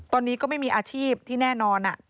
ตอนนี้ก็ไม่มีอาชีพที่แน่นอน